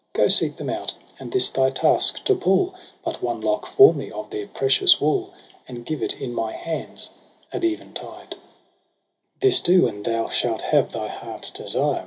Go seek them out j and this thy task, to pull But one lock for me of their precious wool. And give it in my hands at eventide : iS6 EROS & PSYCHE 9 'This do and thou shalt have thy heart's desire.'